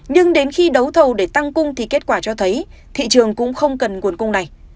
nhưng đến khi đấu thầu để tăng cung thì kết quả cho thấy thị trường cũng không cần nguồn cung này